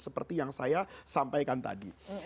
seperti yang saya sampaikan tadi